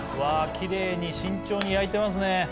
きれいに慎重に焼いてますね。